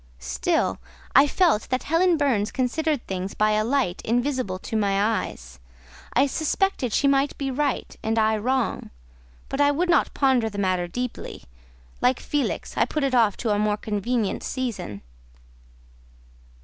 Still I felt that Helen Burns considered things by a light invisible to my eyes. I suspected she might be right and I wrong; but I would not ponder the matter deeply; like Felix, I put it off to a more convenient season.